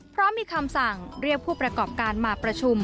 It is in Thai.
พร้อมมีคำสั่งเรียกผู้ประกอบการมาประชุม